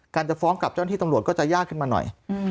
การจะฟ้องกลับต้นที่ตำรวจก็จะยากขึ้นมาหน่อย